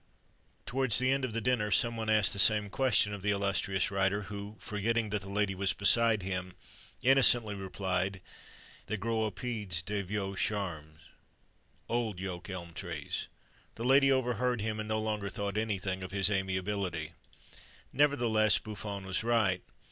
Towards the end of the dinner, some one asked the same question of the illustrious writer, who, forgetting that the lady was beside him, innocently replied: "They grow aux pieds des vieux charmes" (old yoke elm trees). The lady overheard him, and no longer thought anything of his amiability. Nevertheless Buffon was right.